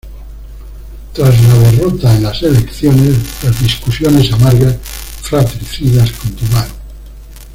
Tras la derrota en las elecciones, las discusiones amargas fratricidas continuaron.